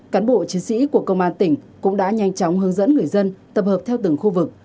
cán bộ chiến sĩ của công an tỉnh cũng đã nhanh chóng hướng dẫn người dân tập hợp theo từng khu vực